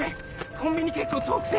コンビニ結構遠くて。